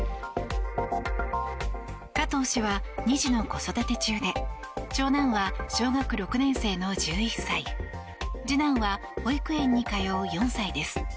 加藤氏は２児の子育て中で長男は小学６年生の１１歳次男は保育園に通う４歳です。